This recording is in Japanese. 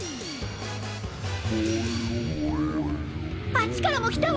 あっちからもきたわ。